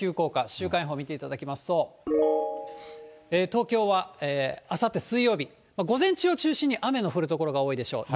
週間予報を見ていただきますと、東京はあさって水曜日、午前中を中心に雨の降る所が多いでしょう。